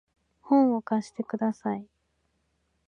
本を貸してください